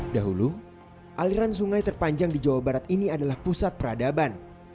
dahulu aliran sungai terpanjang di jawa barat ini adalah pusat peradaban